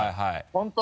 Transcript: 本当